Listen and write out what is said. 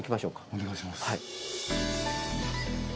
お願いします。